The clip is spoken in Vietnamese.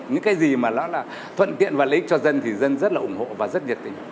những cái gì mà nó là thuận tiện và lợi ích cho dân thì dân rất là ủng hộ và rất nhiệt tình